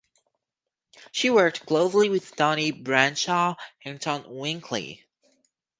She worked closely with Tony Bradshaw and Tom Hinckley.